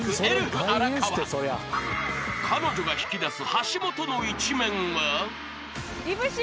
［彼女が引き出す橋本の一面は］